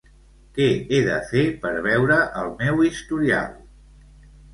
Què he de fer per veure el meu historial?